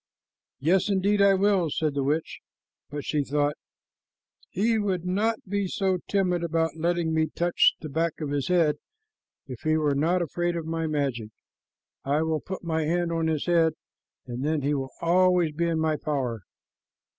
"Yes, indeed, I will," said the witch; but she thought, "He would not be so timid about letting me touch the back of his head if he were not afraid of my magic. I will put my hand on his head, and then he will always be in my power."